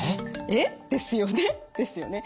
「えっ？」ですよね。